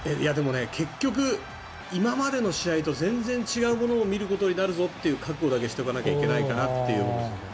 結局今までの試合と全然違うものを見ることになるぞという覚悟だけしておかないといけないかなっていう。